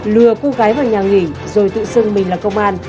lừa cô gái vào nhà nghỉ rồi tự xưng mình là công an